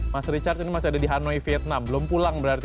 mas richard ini masih ada di hanoi vietnam belum pulang berarti